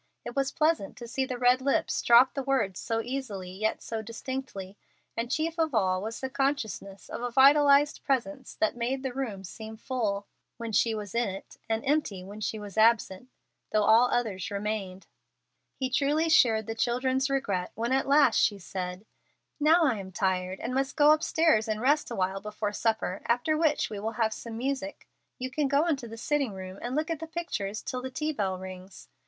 It was pleasant to see the red lips drop the words so easily yet so distinctly, and chief of all was the consciousness of a vitalized presence that made the room seem full when she was in it, and empty when she was absent, though all others remained. He truly shared the children's regret when at last she said, "Now I am tired, and must go upstairs and rest awhile before supper, after which we will have some music. You can go into the sitting room and look at the pictures till the tea bell rings. Mr.